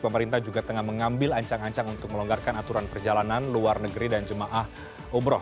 pemerintah juga tengah mengambil ancang ancang untuk melonggarkan aturan perjalanan luar negeri dan jemaah umroh